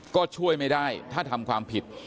ก็ช่วยไม่ได้ถ้าทำความผิด